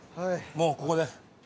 もうここで。